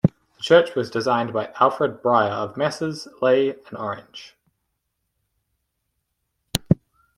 The church was designed by Alfred Bryer of Messrs. Leigh and Orange.